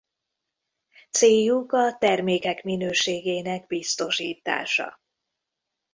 Céljuk a termékek minőségének biztosítása.